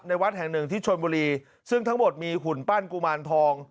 วัดแห่งหนึ่งที่ชนบุรีซึ่งทั้งหมดมีหุ่นปั้นกุมารทอง